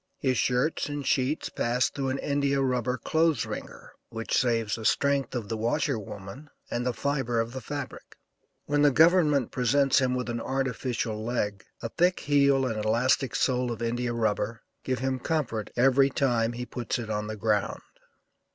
His shirts and sheets pass through an India rubber clothes wringer, which saves the strength of the washer woman and the fibre of the fabric. When the government presents him with an artificial leg, a thick heel and elastic sole of India rubber give him comfort every time he puts it on the ground.